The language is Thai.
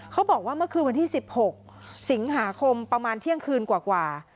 เขาบอกว่าเมื่อคืนวันที่๑๖สิงหาคมประมาณเที่ยงคืนกว่า